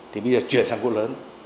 thì bây giờ chuyển sang gỗ lớn